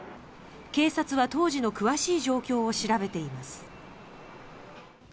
警察は、当時の詳しい状況を調べています。